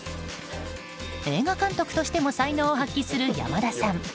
映画監督としても才能を発揮する山田さん。